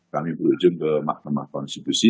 kami berujung ke mahkamah konstitusi